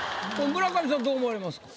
村上さんどう思われますか？